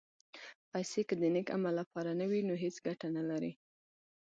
پېسې که د نېک عمل لپاره نه وي، نو هېڅ ګټه نه لري.